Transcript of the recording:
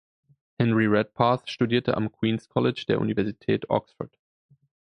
Henry Redpath studierte am Queen's College der Universität Oxford.